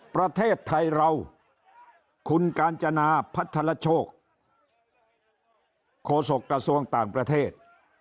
ประเทศไทยเราคุณกาญจนาพัทรโชคโฆษกระทรวงต่างประเทศ